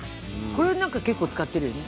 これは何か結構使ってるよね。